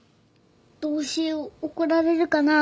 どうしよう怒られるかな。